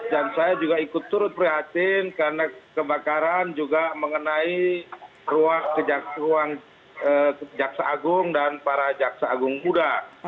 dan saya juga ikut turut prihatin karena kebakaran juga mengenai ruang kejaksaan agung dan para kejaksaan agung muda